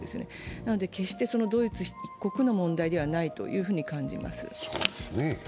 なので決してドイツ一国の問題ではないと感じます。